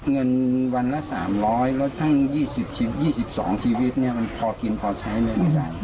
เงินวันละ๓๐๐แล้วทั้ง๒๒ชีวิตเนี่ยมันพอกินพอใช้ไหมครับ